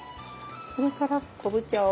それから昆布茶を。